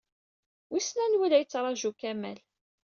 Wissen anwa i la yettṛaju Kamal.